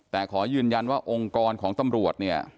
แต่ขอยืนยันว่าองค์กรของตำรวจเนี่ย